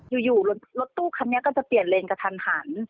อยู่รถตู้เขานี่ก็จะเปลี่ยนเลนกันทัน